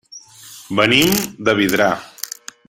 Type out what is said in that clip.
Venim de Vidrà.